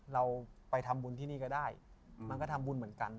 เราไปทำบุญที่นี่ก็ได้มันก็ทำบุญเหมือนกัน